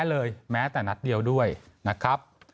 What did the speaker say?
เลยแม้แต่นัดเดียวด้วยนะครับ